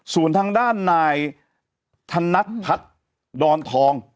ส่วนทางด้านนายธนัดพัฒน์ดอนทอง